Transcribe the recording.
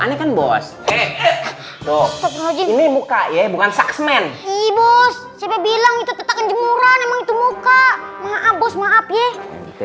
ini bukan saksmen ibu saya bilang itu tetap jenguran itu maaf maaf ya